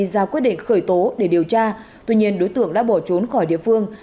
ra quyết định khởi tố để điều tra tuy nhiên đối tượng đã bỏ trốn khỏi địa phương